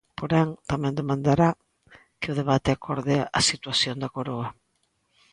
Porén, tamén demandará que o debate aborde "a situación da Coroa".